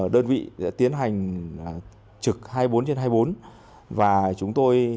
đơn vị tiến hành trực hai mươi bốn trên hai mươi bốn